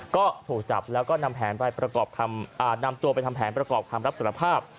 ก็โถจับแล้วก็นำตัวไปทำแผนประกอบคำรับสารภาพ